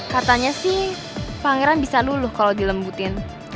katanya sih pangeran bisa luluh kalau dilembutin